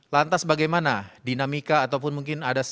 lantas bagaimana dinamika ataupun mungkin ada